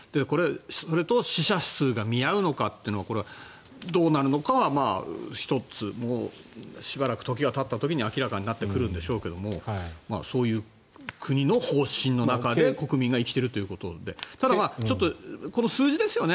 それと、死者数が見合うのかというのはこれはどうなるのかは１つの、しばらく時がたった時に明らかになってくるんでしょうけどそういう国の方針の中で国民が生きているということでただ、この数字ですよね。